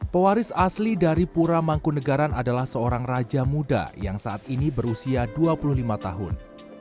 pewaris asli dari pura mangkunegaran adalah seorang raja muda yang saat ini berusia dua puluh lima tahun